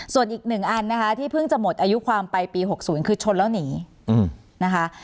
ส่วนอีกหนึ่งอันนะคะที่เพิ่งจะหมดอายุความไปปี๖๐คือชนแล้วหนีนะคะ